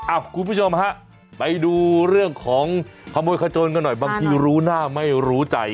คุณผู้ชมฮะไปดูเรื่องของขโมยขจนกันหน่อยบางทีรู้หน้าไม่รู้ใจ